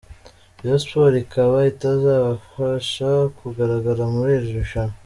Rayon Sports ikaba itazabasha kugaragara muri iri rushanwa.